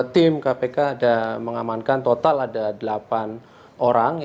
tim kpk ada mengamankan total ada delapan orang